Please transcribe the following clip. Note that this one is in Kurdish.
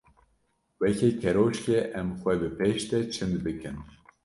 Weke keroşkê em xwe bi pêş de çind bikin.